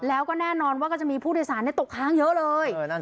แล้วก็แน่นอนว่าก็จะมีผู้โดยสารเนี้ยตกค้างเยอะเลยเออนั่นสิฮะ